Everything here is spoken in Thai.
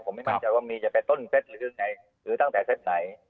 ผมไม่มั่นใจว่ามีจะไปต้นเซ็ตหรือยังไงหรือตั้งแต่เซตไหน